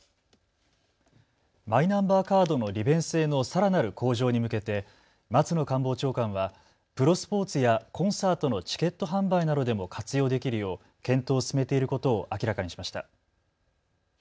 マイナンバーカードの利便性のさらなる向上に向けて松野官房長官はプロスポーツやコンサートのチケット販売などでも活用できるよう検討を進めていることを明らかにしました。